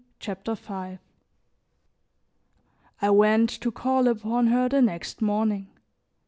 CHAPTER V I WENT to call upon her the next morning.